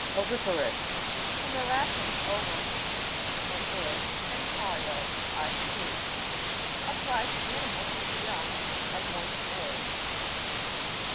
OVI'PAROUS. From the Latin, ovum, an egg, and pario, I produce. Ap plied to animals whose young are born from eggs.